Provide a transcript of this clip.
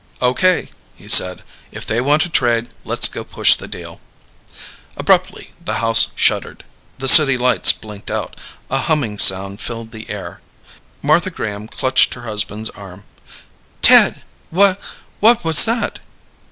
"Okay!" he said. "If they want to trade, let's go push the deal ..." Abruptly, the house shuddered. The city lights blinked out. A humming sound filled the air. Martha Graham clutched her husband's arm. "Ted! Wha what was that?"